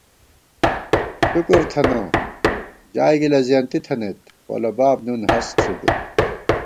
شِکُرتھنہ ژائگِلہ زېنتی تھنَئیت، پولہ باب نُن ہست ݪی گہ